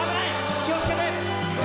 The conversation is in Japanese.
気をつけて。